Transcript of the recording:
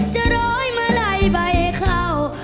จะร้อยเมื่อไหร่ใบเข้า